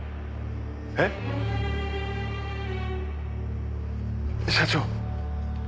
えっ！？社長。